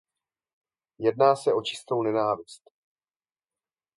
Jedná se o čistou nenávist.